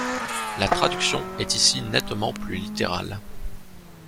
La traduction est ici nettement plus littérale.